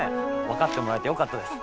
分かってもらえてよかったです。